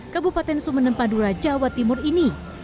kabupaten sumene padura jawa timur ini